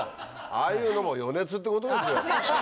ああいうのも予熱ってことですよ。